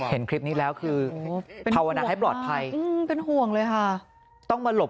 เห็นคลิปนี้แล้วคือภาวนาให้ปลอดภัยเป็นห่วงเลยค่ะต้องมาหลบ